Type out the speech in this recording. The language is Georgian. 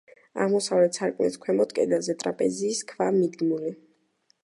აღმოსავლეთ სარკმლის ქვემოთ, კედელზე, ტრაპეზის ქვაა მიდგმული.